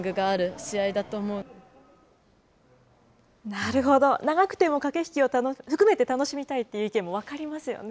なるほど、長くても駆け引きを含めて楽しみたいという意見も分かりますよね。